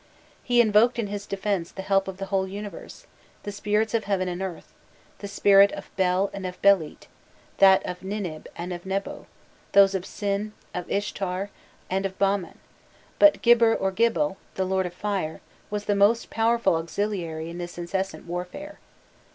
He invoked in his defence the help of the whole universe, the spirits of heaven and earth, the spirit of Bel and of Belit, that of Ninib and of Nebo, those of Sin, of Ishtar, and of Bamman; but Gibir or Gibil, the Lord of Fire, was the most powerful auxiliary in this incessant warfare.